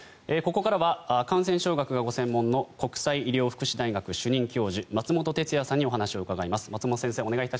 ここからは感染症学がご専門の国際医療福祉大学主任教授松本哲哉さんにお話をお伺いします。